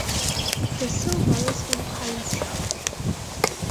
The seal varies in quality.